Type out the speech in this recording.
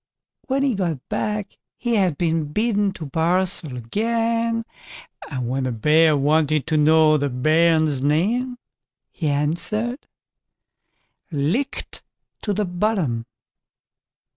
When he got back he had been bidden to barsel again, and when the Bear wanted to know the bairn's name, he answered: "Licked to the bottom."